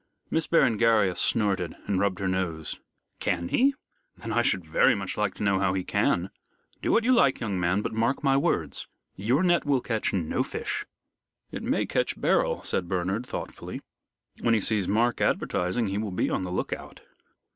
Miss Berengaria snorted and rubbed her nose. "Can he? then I should very much like to know how he can. Do what you like, young man, but mark my words: your net will catch no fish." "It may catch Beryl," said Bernard, thoughtfully. "When he sees Mark advertising he will be on the look out."